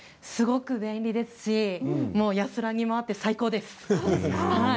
すごく便利ですし安らぎもあって最高です。